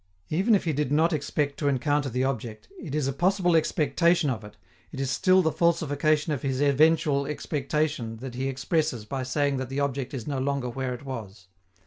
Even if he did not expect to encounter the object, it is a possible expectation of it, it is still the falsification of his eventual expectation that he expresses by saying that the object is no longer where it was.